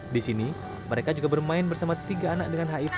di sini mereka juga bermain bersama tiga anak dengan hiv